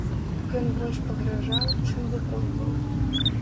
Ён больш пагражаў, чым выконваў.